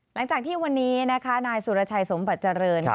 หลังจากที่วันนี้นะคะนายสุรชัยสมบัติเจริญ